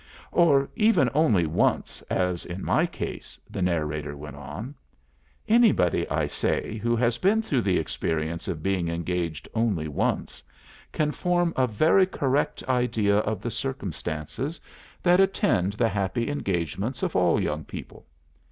" or even only once, as is my case," the narrator went on, "any body, I say, who has been through the experience of being engaged only once, can form a very correct idea of the circumstances that attend the happy engagements of all young people.